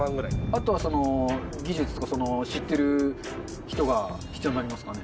あとは技術とか知ってる人が必要になりますかね？